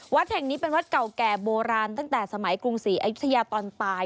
วัดแห่งนี้เป็นวัดเก่าแก่โบราณตั้งแต่สมัยกรุงศรีอายุทยาตอนปลาย